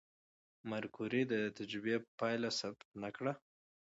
ماري کوري د تجربې پایله ثبت نه کړه؟